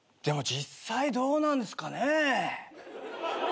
でも実際どうなんですかねぇ。